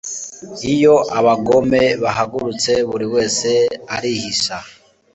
iyo abagome bahagurutse buri wese arihisha